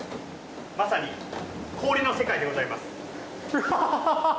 まさに氷の世界でございます。